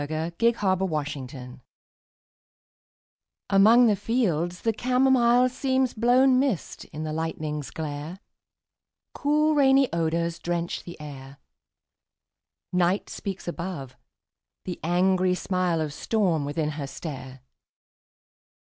THE WINDOW ON THE HILL Among the fields the camomile Seems blown mist in the lightning's glare: Cool, rainy odors drench the air; Night speaks above; the angry smile Of storm within her stare.